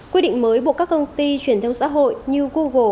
quy định mới buộc các công ty truyền thông xã hội như google